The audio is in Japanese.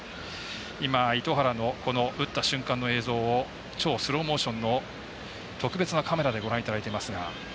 今、糸原の打った瞬間の映像を超スローモーションの特別なカメラでご覧いただいていますが。